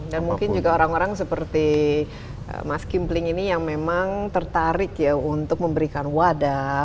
dan mungkin juga orang orang seperti mas kimpling ini yang memang tertarik ya untuk memberikan wadah